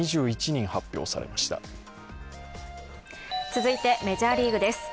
続いてメジャーリーグです。